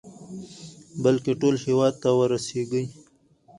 بلكې ټول هېواد ته ورسېږي.